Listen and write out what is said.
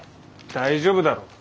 大丈夫だろ。